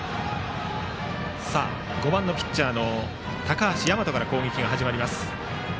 ５番ピッチャーの高橋大和から攻撃が始まります。